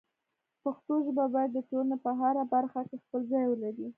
پښتو ژبه باید د ټولنې په هره برخه کې خپل ځای ولري.